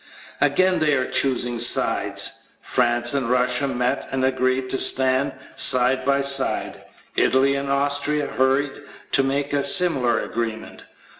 Again they are choosing sides. France and Russia met and agreed to stand side by side. Italy and Austria hurried to make a similar agreement.